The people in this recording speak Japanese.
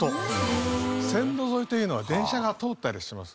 線路沿いというのは電車が通ったりしてます。